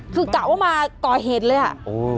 คือกะว่ามาก่อเหตุเลยอ่ะ